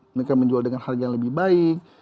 mereka menjual dengan harga yang lebih baik